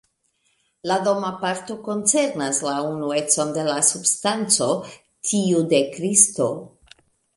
La doma parto koncernas la unuecon de la substanco, tiu de Kristo.